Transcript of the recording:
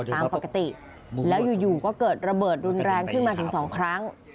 ตามปกติแล้วอยู่ก็เกิดระเบิดรุนแรงขึ้นมาถึงสองครั้ง